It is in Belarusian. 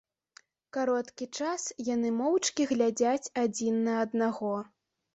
Кароткі час яны моўчкі глядзяць адзін на аднаго.